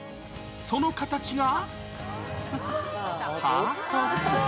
その形が。